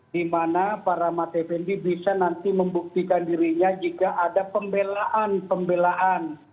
di mana pak rahmat fnd bisa nanti membuktikan dirinya jika ada pembelaan pembelaan